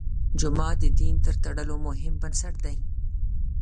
جومات د دین تر ټولو مهم بنسټ دی.